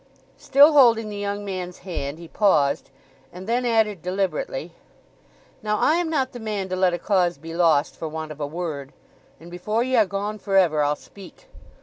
Still holding the young man's hand he paused, and then added deliberately: "Now I am not the man to let a cause be lost for want of a word. And before ye are gone for ever I'll speak.